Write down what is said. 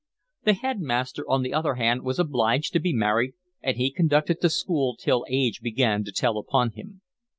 The headmaster, on the other hand, was obliged to be married and he conducted the school till age began to tell upon him.